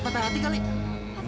bapak main berbentang